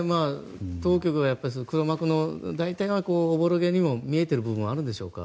当局は黒幕の大体はおぼろげに見えているところもあるんでしょうか。